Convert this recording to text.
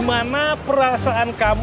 gimana perasaan kamu